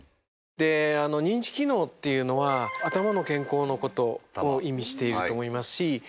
で認知機能っていうのは頭の健康のことを意味していると思いますし。